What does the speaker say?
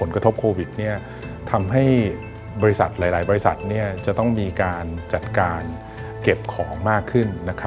ผลกระทบโควิดเนี่ยทำให้บริษัทหลายบริษัทเนี่ยจะต้องมีการจัดการเก็บของมากขึ้นนะครับ